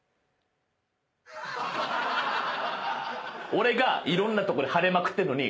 俺がいろんなとこでハネまくってんのに。